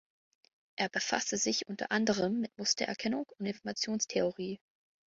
Er befasste sich unter anderem mit Mustererkennung und Informationstheorie.